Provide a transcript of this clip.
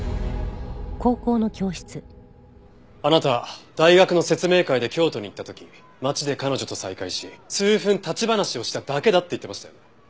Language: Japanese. あなたは大学の説明会で京都に行った時町で彼女と再会し数分立ち話をしただけだって言ってましたよね？